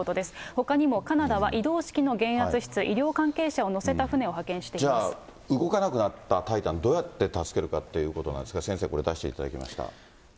ほかにもカナダは移動式の減圧室、医療関係者を乗せた船を派遣してじゃあ、動かなくなったタイタン、どうやって助けるかということなんですが、先生、これ出していただきました。